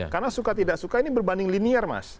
karena suka tidak suka ini berbanding linear mas